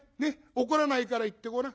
怒らないから言ってごらん。